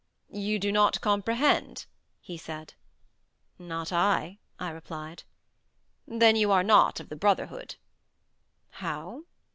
"You do not comprehend?" he said. "Not I," I replied. "Then you are not of the brotherhood." "How?"